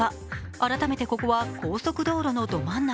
改めてここは高速道路のど真ん中。